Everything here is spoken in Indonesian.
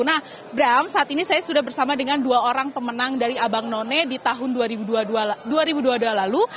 nah bram saat ini saya sudah bersama dengan dua orang pemenang dari abang none di tahun dua ribu dua puluh dua lalu